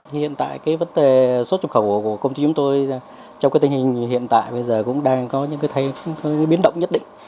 hiện tại vấn đề xuất nhập khẩu của công ty chúng tôi trong tình hình hiện tại cũng đang có những thay biến động nhất định